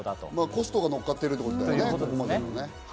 コストが乗っかっているということだよね。